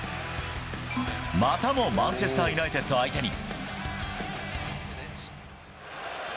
またもマンチェスター・ユナイテッド相手に。